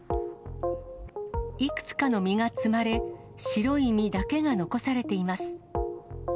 いくつかの実が摘まれ、白い実だけが残されています。